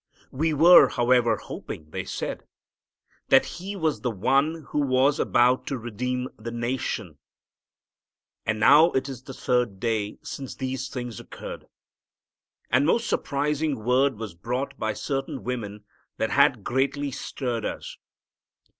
"We were, however, hoping," they said, "that He was the One who was about to redeem the nation. And now it is the third day since these things occurred. And most surprising word was brought by certain women that has greatly stirred us.